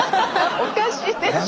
おかしいでしょ？